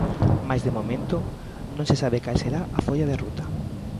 Mais de momento, "non se sabe cal será a folla de ruta".